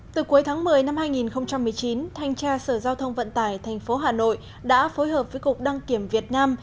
từ cuối tháng một mươi năm hai nghìn một mươi chín thanh tra sở giao thông vận tải tp hà nội đã phối hợp với cục đăng kiểm việt nam